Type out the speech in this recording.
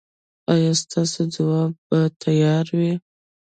ایا ستاسو ځواب به تیار وي؟